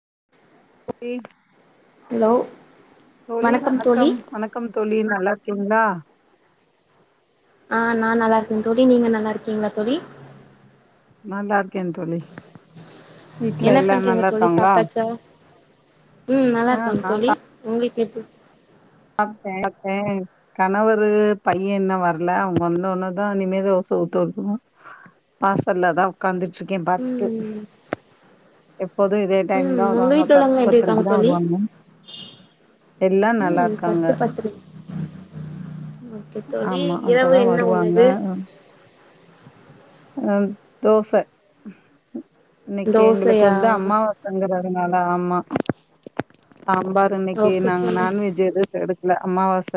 [inaudible] அப்றோ ஏ ஹலோ தோழி வணக்கம் வணக்கம் தோழி நல்லா இருக் ந்தா ஆ நா நல்லா இருக்கே தோழி நீங்க நல்லா இருக்கீங்களா தோழி நல்லா இருக் என்ன எல்லா பண்றீங்க நல்லா தோழி இருக்காங்களா சாப்ட்டாச்சா உம் நல்லா ஆ இருக்காங்க தோழி உங்களுக்க கேக்குது சாப்ட்டே சாப்ட்டே கணவரு பைய இன்னு வரல அவுங்க வந்த உன்னுதா இனிமே தோச ஊத்து குடுக்கனு வாசல்லா தா உட்காந்துட்டு ச்சக்கன் பாத்துட்டு ம் ப்பதும் இதே டைம் ம் தான் உங்க வருவாங்க வீட்ல பத்து உள்ளவங்க எப்டி பத்தரைக்கு இருக்காங்க தா தோழி வருவாங்க எல்லா நல்லா ம் இரு பத்து பத்துக்கு ஓகே தோழி ஆமா இரவு அப்பதா என்ன வருவாங்க உணவு அ தோச இன்னைக்கு எங்களுக்கு தோசையா வந்து அம்மாவாசங்கர அதனாலா ஆமா சாம்பார் இன்னைக்கு ஓகே நாங்க தோழி நான்வெஜ் எதுவு எடுக் ல அம்மாவாச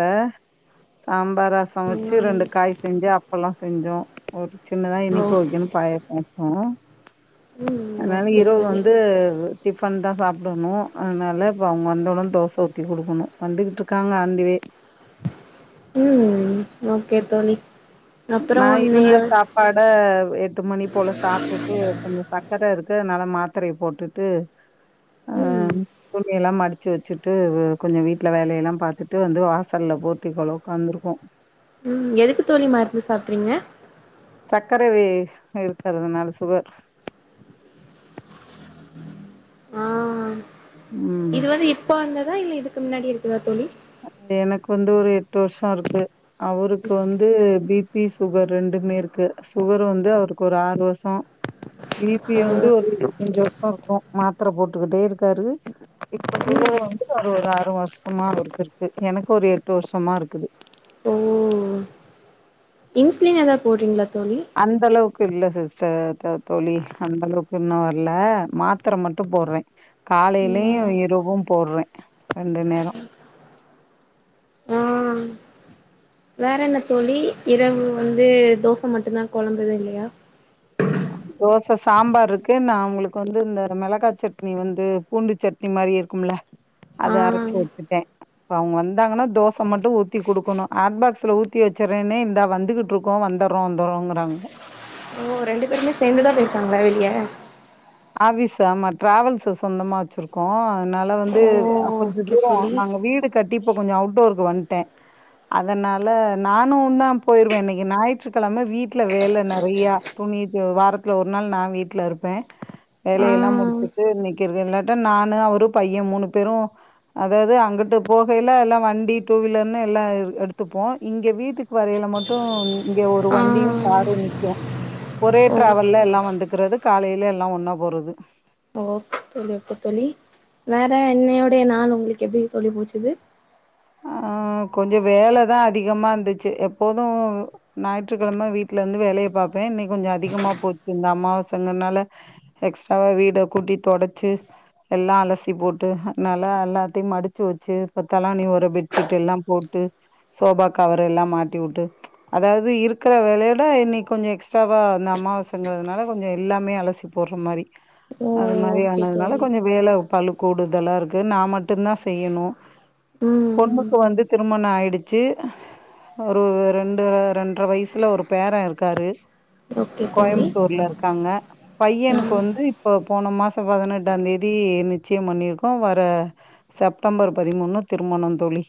சாம்ப ரச வச்சு ம் ரெண்டு காய் செஞ்சு அப் அப்போல்லா செஞ்சோ ஒரு சின்னதா ஓ இனிப்பு வக்கனு பாயசோ வக்கணு ம் அதனால ஓகே இரவு தோழி வந்து டி ப் வந்துதா தா சாப்டணு அதனால இப்ப அவுங்க வந்த உடனே தோச ஊத்தி குடுக்கணு வந்துகிட்டு இருக்காங்க on the way um okay தோழி அப்றோ நா இன்னைய இருந்த சாப்பாட எட்டு மணி போல சாப்டுட்டு கொஞ்சோ சக்கர இருக்கு த நல்ல மாத்தரய போட்டுட்டு ஆ ம் துணியெல்லாம் மடு மடிச்சி வச்சிட்டு கொஞ்ச வீட்ல வேலயெல்லா பாத்துட்டு வந்து வாசல்ல போட்டிகோல வந்து உக்காந்துருக்கோ பாக்றிங்க சக்கரவே இருகுறதனால சுகர் ஆ ம் இது வந்து இப்ப வந்த தா இல்ல இதுக்கு முன்னாடியே இருக்குதா தோழி எனக்கு வந்து ஒரு எட்டு வருஷொ இருக்கு அவருக்கு வந்து பி பி சுகர் ரெண்டுமே இருக்கு சுகர் வந்து அவருக்கு ஒரு ஆறு வருஷொ பி பி ஓ வந்து ஒரு இருவத்தஞ்சு வரு ஷொ இருக்கு மாத்திர போட்டுகிட்டே இருக்காரு இப்ப ம் சொல்றது வந்து ஒரு ஒரு ஆ று வருஷமா அவருக்கிரு க்கு எனக்கு ஒரு எட்டு வருஷமா இருக்குது ஓ இன்சுலின் எதா போட்றீங்ளா அந்தளவுக்கு இல்ல சிஸ்டர் க தோழி அந்த அளவுக்கு இன்னு வர்ல மாத்தர மட்டு போர்றே காலைலயு ம் இரவும் போட்றே ரெண்டு நேரொ ஆ வேற என்ன தோழி இரவு வந்து தோச மட்டுந்தா கொழம்பு எது இல்லயா தோச சாம்பாருக்கு நா உங்களுக்கு வந்து இந்த மெளகா சட்னி வந்து பூண்டு சட்னி மாரி இருக்கும்ல அத ஆ அரச்சு‌வச்சுட்டே இப்ப அவுங்க வந்தாங்கனா தோச மட்டு ஊத்தி குடுக்கணு ஹாட்பாக்ஸ்ல ஊத்தி வச்சுறேனே இந்தா வந்துகிட்ருக்கோ வந்தறோ வந்தறோகுறாங்கா ஓ ரெண்டு பேருமே சேந்துதா பேயிருக்காங்களா வெளிய ஆஃபீஸு ஆமா டிராவல்ஸு சொந்தமா வச்சிருக்கோ அதுனால வந்து ஓ கொஞ்ச ஓகே தூரொ தோழி நாங்க வீடு கட்டி இப்ப கொஞ்சொ அவுட்டோருக்கு வந் ட்டே அதனால நானுந்தா போயிருவே இன்னக்கி ஞாயிற்றுகெழம வீட்ல வேல நறையா துணி வாரத்துல ஒரு நாள் நா வீட்ல இருப்பே ஆ வேலயெல்லா முடுச்சுட்டு இன்னக்கி இருக்க இல்லாட்டா நானு அவரு பைய மூணு பேரு அதாது அங்கட்டு போகைல எல்லா வண்டி டூ வீலர்னு எல்லா எடுத்துப்போ இங்க வீட்டுக் வரைல மட்டு இங்க ஒரு ஆ வண்டியு காரு நி்க்கு ஒரே ஓ டிராவல்ல எல்லா வந்துக்குறது காலைல எல்லா ஒன்னா போறது ஓகே தோழி அப்ப‌ தோழி வேற இன்னயோடய நாள் உங்களுக்கு எப்டி தோழி போச்சுது ஆ கொஞ்சொ வேலதா அதிகமா இந்துச்சு எப்போது ஞாயிற்றுக்கெழம வீட்லந்து வேலய பாப்பே இன்னை கொஞ்ச அதிகமா போச்சு இந்த அமாவாசந்தனால எக்ஸ்ட்ராவா வீட கூட்டி தொடச்சு எல்லா அலசி போட்டு அன்னால அல்லாத்தையு மடுச்சு வச்சு இப்ப தலாணி ஒர பெட்ஷீட் எல்லா போட்டு சோபா கவர் எல்லா மாட்டி வுட்டு அதாவுது இருக்குற வேலயோட இன்னைக் கொஞ்ச எக்ஸ்ட்ராவா அந்த அமாவாசன்றதுனால கொஞ்ச எல்லாமே அலசி போட்ற மாரி ஓ அது மாரி ஓகே ஆனதுனால தோழி கொஞ்ச வேல பளு கூடுதலா இருக்கு நா மட்டுந்தா செய்யணு ம் ம் பொண்ணுக்கு வந்து திருமண ஆயிடுச்சி ஒரு ரெண்டு ரெண்ற வயசுல ஒரு பேர இருக்காரு ஓகே தோழி கோயம்புத்தூர்ல இருக்காங்க ஆ பையனுக்கு வந்து இப்ப போன மாச பதினெட்டாந் தேதி நிச்சய பண்ணிருக்கோ வர செப்டம்பர் பதிமூணு திருமணம் தோழி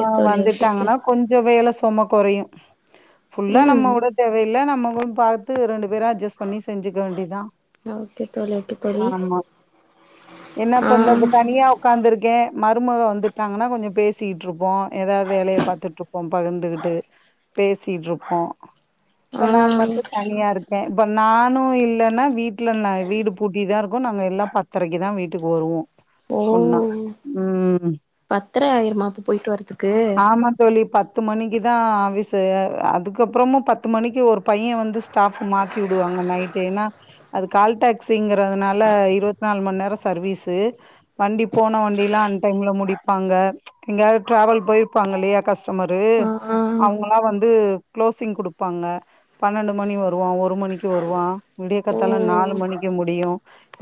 ஆ தோழி ஓகே தோழி வந்துட்டாங்கனா கொஞ்ச வேல சொம கொறையு [inaudible] ஃபுல்லா ம் நம்மவுட தேவையில்ல நம்ம பார்த்து ரெண்டு பேரும் அட்ஜஸ்ட் பண்ணி செஞ்சுக்க வேண்டிதான் ஓகே தோழி ஓகே தோழி ஆமா என்னா ஆ பண்றது தனியா உட்காந்துருக்கேன் மருமக வந்துட்டாங்கன்னா கொஞ்சம் பேசிட்டு இருப்போம் ஏதாவது வேலையை பார்த்துட்டு இருப்போம் பகிர்ந்துகிட்டு பேசிட்டு இருப்போம் இப்ப ஆ நான் மட்டும் தனியா இருக்கேன் இப்ப நானும் இல்லன்னா வீட்டுல வீடு பூட்டிதான் இருக்கும் நாங்க எல்லாம் பத்தரைக்குதான் வீட்டுக்கு வருவோம் ஓ ஒன்னா ம் பத்தரை ஆயிருமா அப்ப போய்ட்டு வரதுக்கு ஆமா தோழி மணிக்கு தான் ஆபீஸ்ஸு அதுக்கு அப்புறமும் பத்து மணிக்கு ஒரு பையன் வந்து ஸ்டாஃப் மாத்தி விடுவாங்க ஏன்னா அது கால் டாக்ஸிங்கிறதுனால இருபத் நாலு மணி நேர சர்வீஸ்ஸு வண்டி போன ஒ அப்டிலாம் அன் டைம்ல முடிப்பாங்க எங்கயாது டிராவல் போயிருப்பாங்க இல்லையா கஸ்டமரு ஆ ஆ அவுங்களாம் வந்து குளோசிங் குடுப்பாங்க பன்னெண்டு மணி வருவான் ஒரு மணிக்கு வருவான் விடிய ஓ கத்தாலா நாலு மணிக்கு முடியும்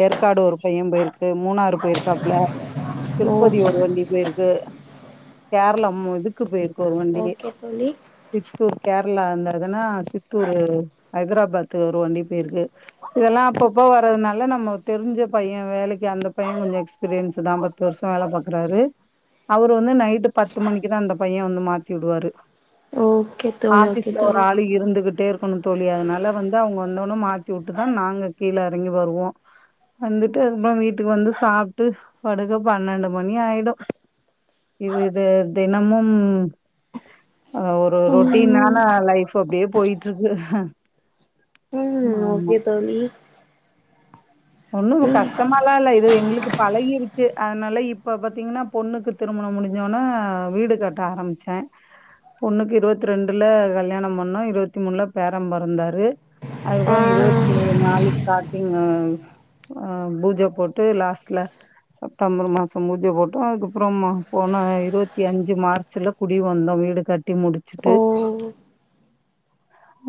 ஏற்காடு ஒரு பையன் போயிருக்கு மூணாறு போயிருக்காப்புல ஓ திருப்பதி ஒரு வண்டி போயிருக்கு கேரளா இதுக்கு போயிருக்கு ஒரு வண்டி ஓகே தோழி சித்தூர் கேரளா அந்த அதுன்னா சித்தூர் ஹைதராபாத்து ஒரு வண்டி போயிருக்கு இதெல்லாம் அப்பப்போ வரதுனால நம்ம தெரிஞ்ச பையன் வேலைக்கு அந்த பையன் கொஞ்சம் எக்ஸ்பீரியன்ஸ் தாங்க பத்து வருஷம் வேலை பாக்குறாரு அவரு வந்து நைட்டு பத்து மணிக்குதான் அந்த பையன் வந்து மாத்தி விடுவாரு ஓகே தோழி ஓகே ஆபீஸ்ல ஒரு தோழி ஆளு இருந்துகிட்டே இருக் கனும் தோழி அதனால வந்து அவங்க வந்தொனே மாத்தி விட்டுதான் நாங்க கீழ இறங்கி வருவோம் வந்துட்டு அதுப்புறம் வீட்டுக்கு வந்து சாப்பிட்டு படுக்க பன்னெண்டு மணி ஆயிடும் இது இது தினமும் ஒரு ரொட்டீனான ம் லைஃப்பு அப்படியே போயிட்டு இருக்கு ம் ஆமாமா ஓகே தோழி ஒன்னும் கஷ்டமாலாம் இல்ல இது எங்களுக்கு பழகிருச் அதனால இப்போ பார்த்தீங்கன்னா பொண்ணுக்கு திருமணம் முடிஞ்சோனா வீடு கட்ட ஆரம்பிச்சேன் பொண்ணுக்கு இருவத்து ரெண்டுல கல்யாணம் பண்ணோம் இருவத்தி மூணுல பேரன் பொறந்தாரு ஆ அதுப்புறம் இருவத்தி நாலு ஸ்டார்டிங் பூஜை போட்டு லாஸ்ட்ல செப்டம்பர் மாசம் பூஜை போட்டோம் அதுக்கப்புறம் போன இருபத்தி அஞ்சு மார்ச்ல குடி வந்தோம் வீடு கட்டி முடிச்சுட்டு ஓ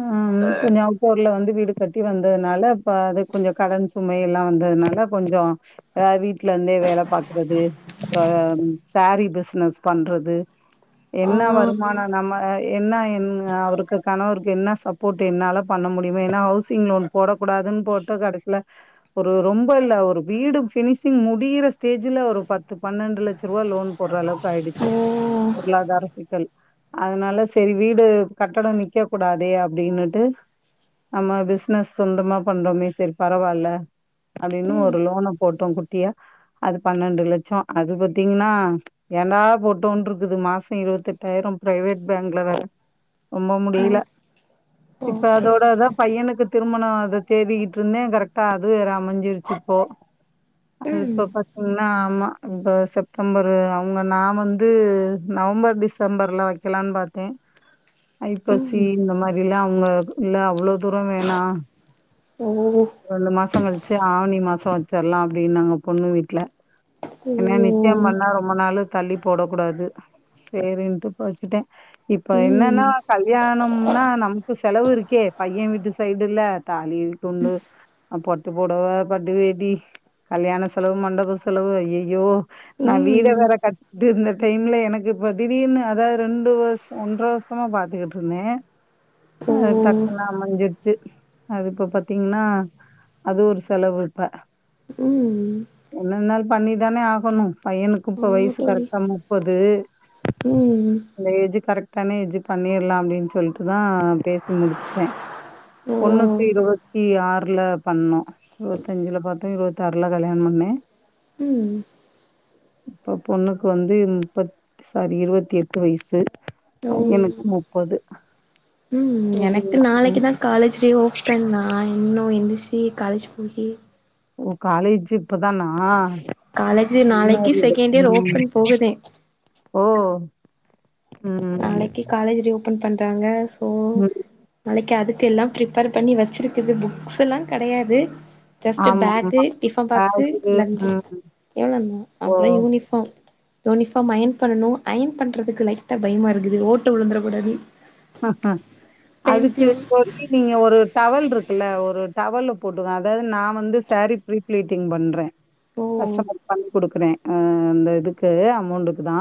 ம் கொஞ்சம் அக்டோர்ல வந்து வீடு கட்டி வந்ததுனால இப்ப அது கொஞ்சம் கடன் சுமை எல்லாம் வந்ததுனால கொஞ்சம் வீட்டுல இருந்தே வேலை பாக்குறது சாரி பிசினஸ் பண்றது ஆ என்ன வருமானம் நம்ம என்ன அவருக்கு கணவருக்கு என்ன சப்போர்ட் என்னால பண்ண முடியுமோ ஏன்னா ஹவுசிங் லோன் போடக்கூடாதுன்னு போட்டு கடைசியில ஒரு ரொம்ப இல்ல ஒரு வீடு பினிஷிங் முடியிற ஸ்டேஜ்ல ஒரு பத்து பன்னெண்டு லட்சம் ரூபாய் லோன் போடுற அளவுக்கு ஆயிடுச்சு ஓ பொருளாதார சிக்கல் அதனால செரி வீடு கட்டடம் நிக்க கூடாதே அப்படின்னுட்டு நம்ம பிசினஸ் சொந்தமா பண்றோமே செரி பரவால்ல அப்படின்னு ம் ஒரு லோனை போட்டோம் குட்டியா அது பன்னெண்டு லட்சம் அது பாத்தீங்கன்னா ஏன்டா போட்டோனு இருக்குது மாசம் இருபத் எட்டாயிரம் பிரைவேட் பேங்க்ல வேற ரொம்ப முடியல இப்போ ஓகே அதோட அதா பையனுக்கு திருமணம் அத தேடிகிட்டு இருந்தேன் கரெக்ட்டா அதுவே வேற அமைஞ்சிருச்சு இப்போ ம் அதுக்கப்ப என்ன ஆமா இப்ப செப்டம்பரு அவங்க நான் வந்து நவம்பர் டிசம்பர்ல வைக்கலாம்ன்னு பாத்தேன் ஐப்பசி ம் இந்த மாதிரிலாம் அவங்க இல்ல அவ்வளோ தூரம் வேணாம் ஓ ரெண்டு மாசம் கழிச்சு ஆவணி மாசம் வச்சிடலாம் அப்படின்னாங்க பொண்ணு வீட்ல ஓ இன்னும் நிச்சயம் ம் பண் ஆனா ரொம்ப நாள் தள்ளி போட கூடாது செரின்னுட்டு போ வச்சுட்டேன் இப்ப என்னன்னா ம் கல்யாணம்னா நமக்கு செலவு இருக்கே பையன் வீட்டு சைடுல தாலி துண்டு பட்டு பொடவ பட்டு வேட்டி கல்யாண செலவு மண்டப செலவு ஐய்யயோ நான் வீட வேற கட் டி இந்த டைம்ல எனக்கு இப்ப திடீர்னு அதாவது ரெண்டு வருஷம் ஒன்ற வருஷமா பார்த்துக்கிட்டு இருந்தேன் ஓ அ டக்குன்னு அமஞ்சிருச் சு அது இப்ப பாத்தீங்கன்னா அது ஒரு செலவு இப்ப ம் என்னன்னாலும் பண்ணி தானே ஆகணும் பையனுக்கும் இப்ப ஆமா வயசு தோழி கரெக்டா முப்பது ம் ஏஜ் கரெக உடனே இது பண்ணிடலாம் அப்டின்னு சொல்லிட்டுதா பேசி முடிச்சுட்டே ஓ தொண்ணூத்தி இருபத்தி ஆறு பண்ணோ இருத்தஞ்சுல பாத்து இருபத்தாறுல கல்யாணம் பண்ணே ம் இப்ப பொண்ணுக்கு வந்து முப்ப சாரி இருத்து எட்டு வயசு பையனுக்கு உம் சரி எனக்கு ம். நாளைக்குதா காலேஜ்டே ஓபன் பண்ணா இன்னும் எ சே காலேஜ் போகி ஓ காலேஜ் இப்பதானா காலேஜ் நாளைக்கு ரீமேரிடு. செகண்ட் இயர் ம். ஓபன் போகுதே ஓ உம் ஓப்பன் பண்றாங்க ஓ நாளைக்கு அதுக்கு எல்லா பிரப்பர் பண்ணி வச்சிருக்குது புக்ஸ் எல்லாங் கெடயாது ஜஸ்ட்டு பேக்கு ஆமாமா. டிஃபன் பாக்ஸு பேகு லஞ்சு ம். எவ்வளவுந்தான் ஓ! அப்றோ யூனிஃபாம் யூனிஃபாம் அயன் பண்ணணு அயன் பண்றதுக்கு லைட் பயமாக இருக்குது ஓட்ட விழுந்தரக்கூடாது அஹ அதுக்கு தோழி நீங்க ஒரு டவல் இருக்குல்ல ஒரு டவல போட்டுக்க அதாவது நா வந்து சேரீ ப்ரீ ஃபிளீட்டிங் பண்றே ஓ கஷ்டமர்க்கு பண்ணி குடுக்குறே அ இந்த இதுக்கு அமௌண்ட்டுக்கு தா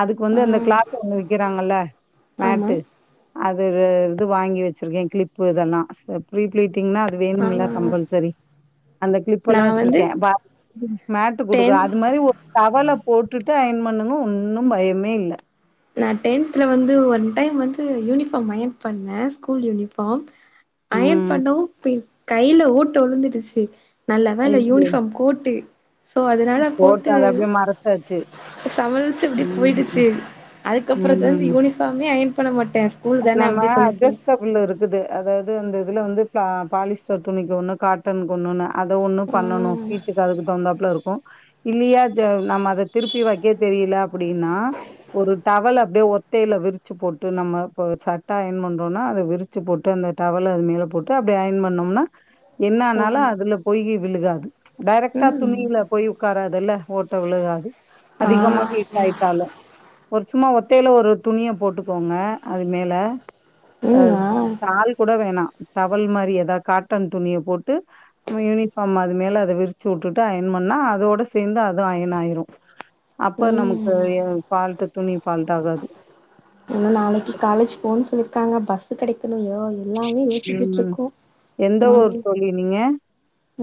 அதுக்கு வந்து ஆ அந்த கிளாத் ஒன்னு விக்குறாங்கல்ல ஆமா மேட்டு அது இது வாங்கி வச்சிருக்கே கிளிப்பு இதெல்லா பீரீஃபிளீட் வேணும்ல ஆமா கம்பல்சரி அந்த கிலிப் நா எல்லா வந்து வச்சிருக்கே மேட்டு குடுக்குறே டென்த் அது மாரி ஒரு டவல போட்டுட்டு அயன் பண்ணுங்க ஒன்னும் பயமே இல்ல நா டென்த்ல வந்து ஒன் டைம் வந்து யூனிஃபாம் அயன் பண்ணே ஸ்கூல் யூனிஃபாம் அயன் ம். பண்ணவும் ப்ப கையில ஓட்ட உழுந்துருச்சு நல்ல வேல ஐயோ! யூனிஃபாம் கோட்டு சோ அதனால போட்டு அத அப்படியே மறச்சாச்சு. சமாளிச்சு எப்டி ம். போயிடுச்சு அதுக்கப்புற ம். வந்து யூனிஃபாம் அயன் பண்ண மட்டு நம்ம அஐஸ்ட்டபுள் இருக்குது அதாவது வந்து அதுல வந்து பிளா பாலிஸ்டர் துணிக்கு ஒன்னு காட்டனுக்கு ஒன்னுன்னு அத ஒன்னும் ஆ பண்ணணும் வீட்டுக்கு அதுக்கு தகுந்தாப்புல இருக்கும் இல்லையா ஜ நம்ம அத திருப்பி வக்க தெரியில அப்டின்னா ஒரு டவல் அப்டே ஒத்தையில விரிச்சி போட்டு நம்ம இப்போ சட்ட அயன் பண்றோனா அத விரிச்சி போட்டு அந்த டவல அது மேல போட்டு அப்டே அயன் பண்ணோம்னா என்ன ஓ ஆனாலும் அதுல போயி விழுகாது டேரக்ட்டா ம் துணியில போயி உக்காரதெல்ல ஓட்ட விழுகாது ஆ அதிகமா ஹீட் ஆயிட்டாலும் ஒரு சும்மா ஒத்தையில ஒரு துணிய போட்டுக்கோங்க அது மேல ஆ ஷால் கூட வேணா டவல் மாரி எதா காட்டன் துணிய போட்டு நம்ம யூனிஃபார்ம் அது மேல அத விரிச்சி உட்டுட்டு அயன் பண்ணா அதோட சேந்து அதும் அயன் ஆயிரும் அப்ப நமக்கு ம் எ ஃபால்ட்டு துணி ஃபால்ட் ஆகாது இன்னும் நாளைக்கு காலேஜ் போ சொல்லிருக்காங்க பஸு கெடைக் கனுயோ எல்லாமே யோசிச்சிட்டு ம். இருக்கோம் எந்த ஊர் மார்னிங் தோழி நீங்க?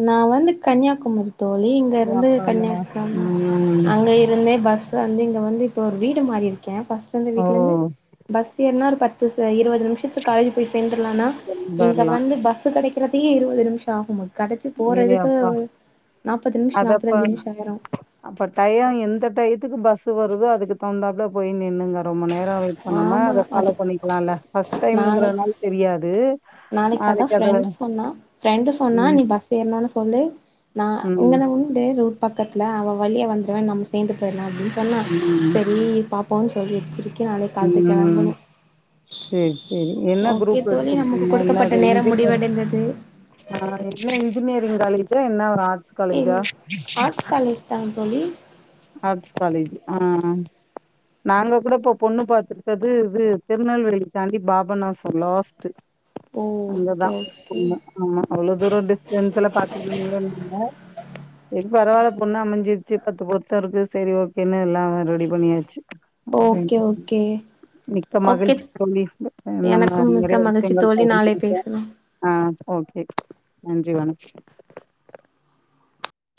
நான் வந்து கன்னியாகுமாரி தோழி இங்க ஏ இருந்து அப்பா அங்கதான். கன்னியாகும ம். அங்க இருந்தே பஸ் வந்து இங்க வந்து இப்போ ஒரு வீடு மாறி இரு க்கன் ஃபஸ்ட்லந்து ஓ! வீட்ல இருந்து பஸ் ஏர்னா ஒரு பத் பு ச இருவது து நிமிஷத்துக்கு காலேஜி போய் சேந்தரலான்னா இங்க வரலாம். வந்து பஸு கெடைக்க இருவத்தி இருவது நிமிஷம் ஆகுமா கெடச்சு ஏலே போறதுக்கு அப்பா நாப்பது நிமிஷோ அது அப்ப நாப்பத்தஞ்சு நிமிஷோ ஆயிரு அப்ப டயம் எந்த டயத்துக்கு பஸ் ஸு வருது அதுக்கு தகுந்தாப்புல போய் நின்னுங்க ரொம்ப நேரம் க வெயிட் பண்ணாம ஆமா அத ஃபாலோ அது பண்ணிக்கிலா இல்ல ஃபர்ஸ்ட் நாளைக் டைம்கிறனால தெரியாது நாளைக்கு அதா ஃப்ரெண்ட்டு சொன்னா ஃப்ரெண்ட்டு சொன்னா ம், நீ பஸு ஏறன ஒன்னே சொல்லு நா ம், உங்கன உண்டு ரோட் பக்கத்துல அவ வலிய வந்துருவ நம்ம சேந்து போயிறலாம் அப்டின் சொன்னா ம். சரி பாப் போன் சொல்லி வச்சிருக்கன் ம் சேரி சேரி என்ன ஓகே குரூப் தோழி நமக்கு எடுத்திருக்கீங்க கொடுக்கப்பட்ட என்னாது நேரம் இன்ஜினியர் முடிவடைந்தது ஆ என்ன இன்ஜினியர் னியரிங் காலேஜா என்ன ஒரு ஆர் இல் ஆட்ஸ் காலேஜ் தா தோழி ஆட்ஸ் காலேஜி ஆ ஆ நாங்க கூட இப்ப பொண்ணு பாத்துருக்கறது வி திருநெல்வேலி தாண்டி பாபநாசம் லாஸ்ட்டு ஓ அங்க தான் ஓகே ஓகே ஆமா ஆமா அவ்ளோ தூரம் டிஸ்டன்ஸ்ல பாத்துக்கீங்கனுல்ல சேரி பரவாயில்ல பொண்ணு அமைஞ்சிருச்சி பத்து பொருத் தருக்கு சரி ஓகேன்னு எல்லா ஆ ரெடி பண்ணியாச்சி ஓகே ஓகே மிக்க ஓகே மகிழ்ச்சி தோழி நம்ம எனக்கு மிக்க நரையா மகிழ்ச்சி விஷியங்கள் தோழி நாளை கலந்துருக்கோம் பேசலாம் ஆ ஓகே நன்றி ஜீவானஷ்